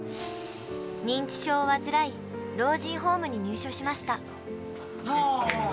認知症を患い、老人ホームに入所しました。